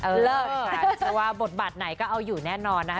เออเลยค่ะแต่ว่าบทบาทไหนก็เอาอยู่แน่นอนนะครับ